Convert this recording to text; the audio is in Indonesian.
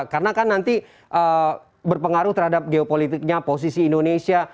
karena nanti berpengaruh terhadap geopolitiknya posisi indonesia